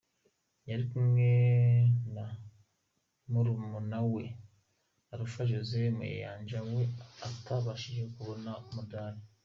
Yari kumwe na murumuna we Alfa Joseph Mayanja we utabashije kubona umudali.